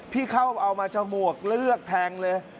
พี่เข้าเอามาฉมวกเลือกแทงเลย